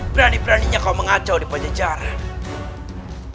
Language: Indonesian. berani beraninya kau mengacau di pajajaran